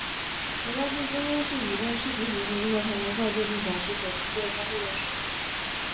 国家竞争优势理论试图解释如何才能造就并保持可持续的相对优势。